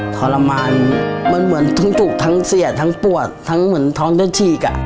ทรมานมันเหมือนต้องถูกทั้งเสียทั้งปวดทั้งเหมือนท้องจะฉีกอ่ะ